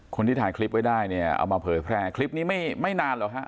คนที่ถ่ายคลิปไว้ได้เนี่ยเอามาเผยแพร่คลิปนี้ไม่นานหรอกฮะ